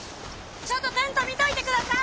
ちょっとテント見といてください！